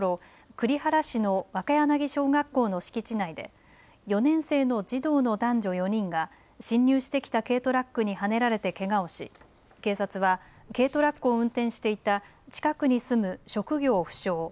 栗原市の若柳小学校の敷地内で４年生の児童の男女４人が侵入してきた軽トラックにはねられてけがをし警察は軽トラックを運転していた近くに住む職業不詳